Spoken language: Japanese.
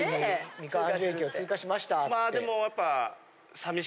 まあでもやっぱ。